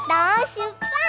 しゅっぱつ！